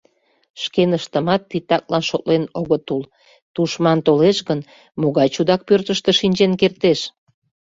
Шкеныштымат титаклан шотлен огыт ул: тушман толеш гын, могай чудак пӧртыштӧ шинчен кертеш?